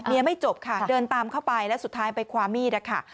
ไม่จบค่ะเดินตามเข้าไปแล้วสุดท้ายไปคว้ามีดนะคะ